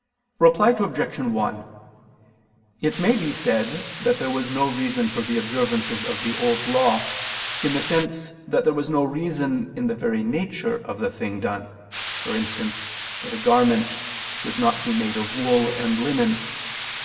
Reply Obj. 1: It may be said there was no reason for the observances of the Old Law, in the sense that there was no reason in the very nature of the thing done: for instance that a garment should not be made of wool and linen.